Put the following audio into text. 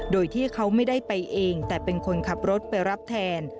โดยที่เขาไม่ได้ไปเองแต่เป็นคนขับรถไปรับแทน